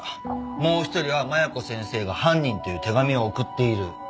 もう一人は麻弥子先生が犯人という手紙を送っている。